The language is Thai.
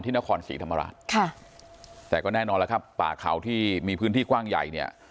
นครศรีธรรมราชค่ะแต่ก็แน่นอนแล้วครับป่าเขาที่มีพื้นที่กว้างใหญ่เนี่ย